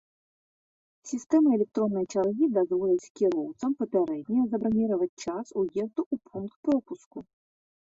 Сістэма электроннай чаргі дазволіць кіроўцам папярэдне забраніраваць час уезду ў пункт пропуску.